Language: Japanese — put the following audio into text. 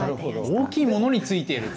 大きいものについていると。